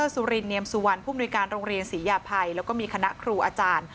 สุรินเนียมสุวรรณผู้มนุยการโรงเรียนศรียาภัยแล้วก็มีคณะครูอาจารย์